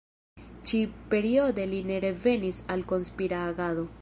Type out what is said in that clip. Ĉi-periode li ne revenis al konspira agado.